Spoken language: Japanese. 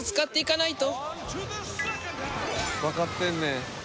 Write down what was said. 分かってんねん。